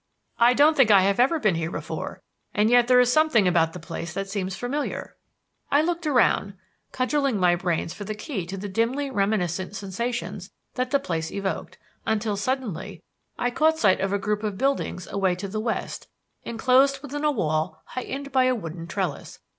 "I don't think I have ever been here before; and yet there is something about the place that seems familiar." I looked around, cudgeling my brains for the key to the dimly reminiscent sensations that the place evoked; until, suddenly, I caught sight of a group of buildings away to the west, enclosed within a wall heightened by a wooden trellis.